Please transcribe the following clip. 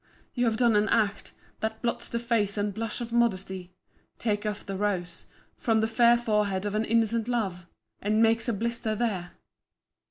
you have done an act That blots the face and blush of modesty; Takes off the rose From the fair forehead of an innocent love, And makes a blister there!